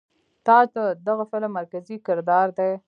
تاج د دغه فلم مرکزي کردار دے.